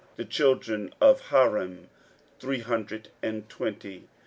16:007:035 The children of Harim, three hundred and twenty.